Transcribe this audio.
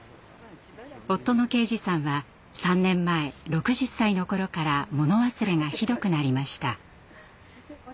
夫の佳児さんは３年前６０歳の頃から物忘れがひどくなりました。